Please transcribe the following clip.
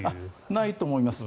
ないと思います。